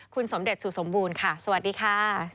คุณสมเด็จสุสมบูรณ์ค่ะสวัสดีค่ะ